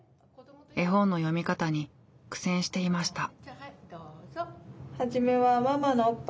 絵本の読み方に苦戦していました。